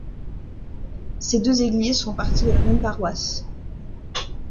Ces deux églises font partie de la même paroisse.